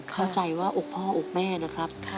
เข้าใจว่าอกพ่ออกแม่นะครับ